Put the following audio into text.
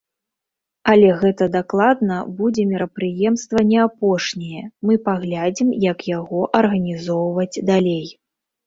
Але гэта дакладна будзе мерапрыемства не апошняе, мы паглядзім як яго арганізоўваць далей.